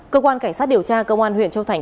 cơ quan cảnh sát điều tra công an huyện châu thành